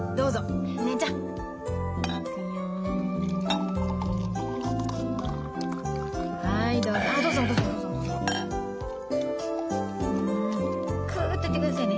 んクッといってくださいね。